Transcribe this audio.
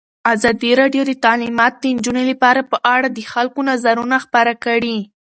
ازادي راډیو د تعلیمات د نجونو لپاره په اړه د خلکو نظرونه خپاره کړي.